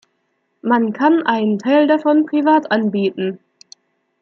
Man kann einen Teil davon privat anbieten.